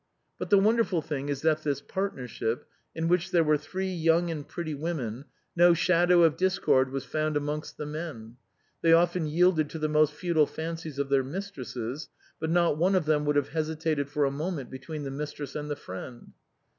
But the wonderful thing is that in this partnership, in DONEC GRATUS. 187 which there were three young and pretty women, no shadow of discord was found amongst the men ; they often yielded to the most futile fancies of their mistresses, but not one of them would have hesitated for a moment between the mis tress and the friend.